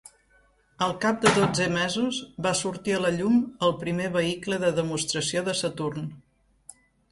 Al cap de dotze mesos, va sortir a la llum el primer vehicle de demostració de Saturn.